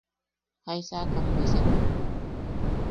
¿Jaisaka am bwisek?